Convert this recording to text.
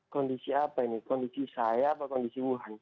kondisi apa ini kondisi saya apa kondisi wuhan